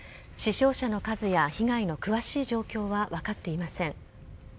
死傷者の数や被害の詳しい状況は分かっていません。